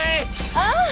ああ。